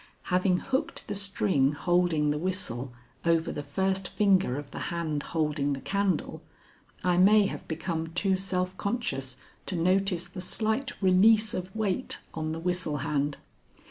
Having hooked the string holding the whistle over the first finger of the hand holding the candle, I may have become too self conscious to notice the slight release of weight on the whistle hand.